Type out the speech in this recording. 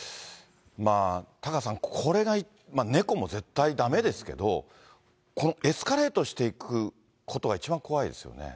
タカさん、これが、猫も絶対だめですけど、このエスカレートしていくことが一番怖いですね。